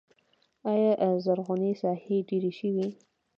آیا زرغونې ساحې ډیرې شوي؟